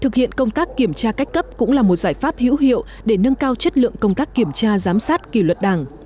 thực hiện công tác kiểm tra cách cấp cũng là một giải pháp hữu hiệu để nâng cao chất lượng công tác kiểm tra giám sát kỷ luật đảng